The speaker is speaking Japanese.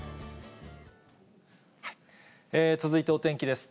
続いてお天気です。